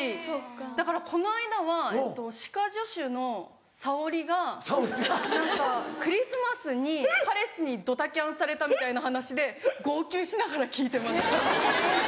だからこの間は歯科助手のサオリが何かクリスマスに彼氏にドタキャンされたみたいな話で号泣しながら聴いてました。